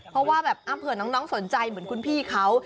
เพราะว่าแบบเผื่อน้องสนใจเหมือนคุณพี่เขา